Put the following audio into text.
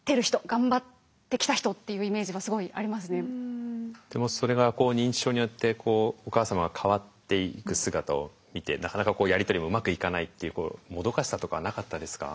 だからでもそれが認知症によってこうお母様が変わっていく姿を見てなかなかやり取りもうまくいかないっていうもどかしさとかはなかったですか？